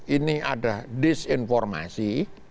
ini ada disinformasi